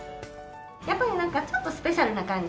やっぱりなんかちょっとスペシャルな感じ。